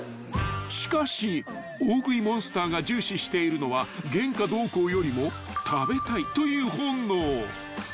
［しかし大食いモンスターが重視しているのは原価どうこうよりも「食べたい」という本能］